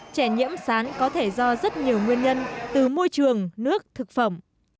trẻ nhiễm sán có thể do rất nhiều nguyên nhân từ môi trường nước thực phẩm